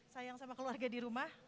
sayang sama keluarga di rumah